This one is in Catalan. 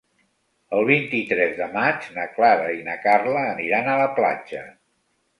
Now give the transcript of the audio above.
El vint-i-tres de maig na Clara i na Carla aniran a la platja.